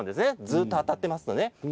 ずっと当たっていますとね。